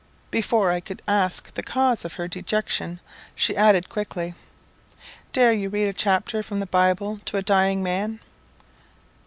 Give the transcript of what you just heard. Before I could ask the cause of her dejection, she added quickly "Dare you read a chapter from the Bible to a dying man?"